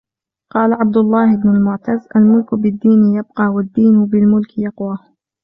قَالَ عَبْدُ اللَّهِ بْنُ الْمُعْتَزِّ الْمُلْكُ بِالدِّينِ يَبْقَى ، وَالدِّينُ بِالْمُلْكِ يَقْوَى